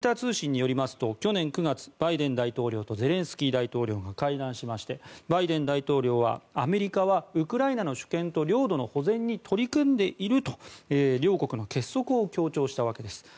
ロイター通信によりますと去年９月バイデン大統領とゼレンスキー大統領が会談しましてバイデン大統領はアメリカはウクライナの主権と領土の保全に取り組んでいると両国の結束を強調したわけです。